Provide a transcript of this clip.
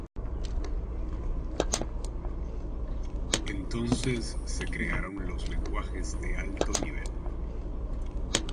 Entonces, se crearon los lenguajes de alto nivel.